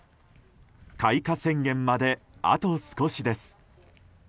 開花宣言まであと少しです。